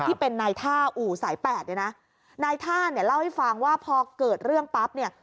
ที่เป็นนายท่าอู่สายแปดเนี่ยนะนายท่าเนี่ยเล่าให้ฟังว่าพอเกิดเรื่องปั๊บเนี่ย